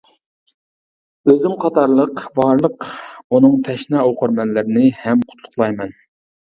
ئۆزۈم قاتارلىق بارلىق ئۇنىڭ تەشنا ئوقۇرمەنلىرىنى ھەم قۇتلۇقلايمەن.